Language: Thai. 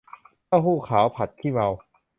เต้าหู้ขาวผัดขี้เมา